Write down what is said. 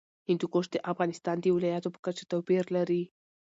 هندوکش د افغانستان د ولایاتو په کچه توپیر لري.